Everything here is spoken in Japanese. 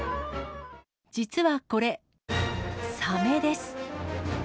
実はこれ、サメです。